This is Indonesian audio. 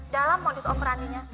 dalam modus operaninya